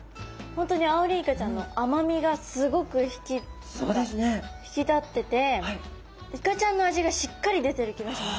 本当にアオリイカちゃんの甘みがすごく引き立っててイカちゃんの味がしっかり出てる気がします。